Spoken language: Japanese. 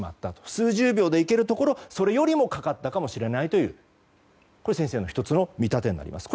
数十秒で行けるところそれよりもかかったかもしれないというのが先生の１つの見立てになります。